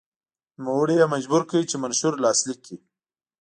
نوموړی یې مجبور کړ چې منشور لاسلیک کړي.